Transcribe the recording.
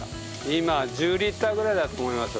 今は１０リッターぐらいだと思います。